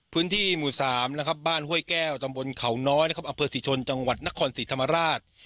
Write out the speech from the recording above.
พื้นที่หมู่๓บ้านห้วยแก้วตำบลเขาน้อยอำเภอสิทธิ์ชนจังหวัดนครสิทธิ์ธรรมราช